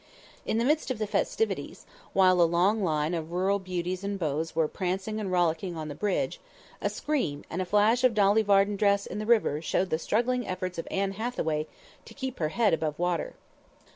In the midst of the festivities, while a long line of rural beauties and beaux were prancing and rollicking on the bridge, a scream, and a flash of Dolly Varden dress in the river showed the struggling efforts of Anne Hathaway to keep her head above water.